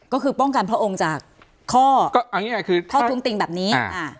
ก็คือป้องกันพระองค์จากข้อทุ่งติงแบบนี้